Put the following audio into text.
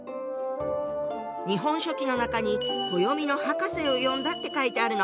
「日本書紀」の中に「暦の博士を呼んだ」って書いてあるの。